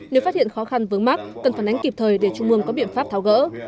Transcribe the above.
nếu phát hiện khó khăn vướng mắt cần phản ánh kịp thời để trung mương có biện pháp tháo gỡ